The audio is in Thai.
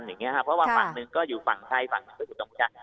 เพราะว่าฝั่งหนึ่งก็อยู่ฝั่งไทยฝั่งศูนย์ศูนย์ของกัมพูชา